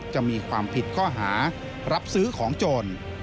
จะมีความผิดข้อหารับซื้อของโจร